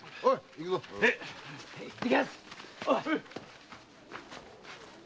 行ってきやす！